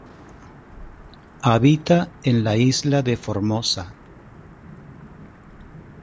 Habita en la Isla de Formosa.